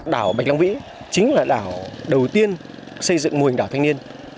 đảo bạch long vĩ chính là đảo đầu tiên xây dựng mô hình đảo thanh niên